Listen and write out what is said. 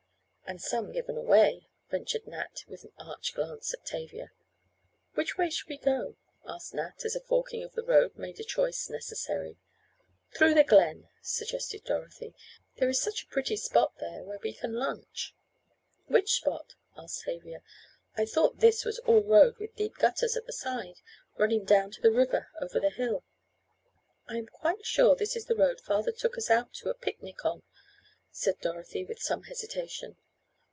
"And some given away," ventured Nat, with an arch glance at Tavia. "Which way shall we go?" asked Nat, as a forking of the road made a choice necessary. "Through the glen," suggested Dorothy, "there is such a pretty spot there where we can lunch." "Which spot?" asked Tavia, "I thought this was all road with deep gutters at the side, running down to the river over the hill." "I am quite sure this is the road father took us out to picnic on," said Dorothy with some hesitation.